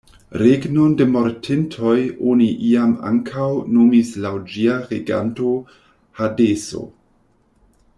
Regnon de mortintoj oni iam ankaŭ nomis laŭ ĝia reganto "hadeso".